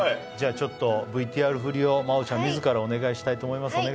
ＶＴＲ振りを真央ちゃん自らお願いしたいと思います。